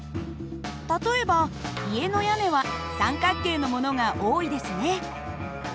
例えば家の屋根は三角形のものが多いですね。